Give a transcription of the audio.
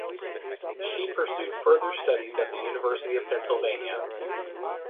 She pursued further studies at the University of Pennsylvania.